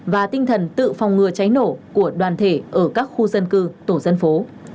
và tinh thần tự phòng ngừa cháy nổ của đoàn thể ở các khu dân cư tổ dân phố